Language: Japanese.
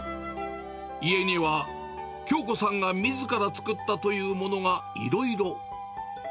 家には京子さんがみずから作ったというものがいろいろ。